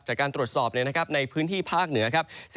จากการตรวจสอบในพื้นที่ภาคเหนือครับ